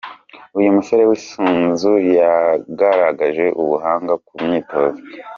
Uyu musore w’isunzu yagaragaje ubuhanga ku myitozo.